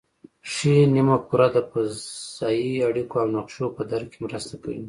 ښي نیمه کره د فضایي اړیکو او نقشو په درک کې مرسته کوي